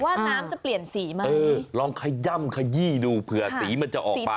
น้ำจะเปลี่ยนสีมากเออลองขย่ำขยี้ดูเผื่อสีมันจะออกมา